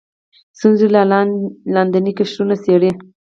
ستونزې لاندیني قشرونه څېړي